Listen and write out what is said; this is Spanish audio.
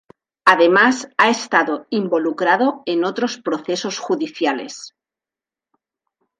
Además, ha estado involucrado en otros procesos judiciales.